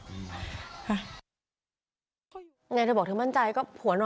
เมื่อวานหลังจากโพดำก็ไม่ได้ออกไปไหน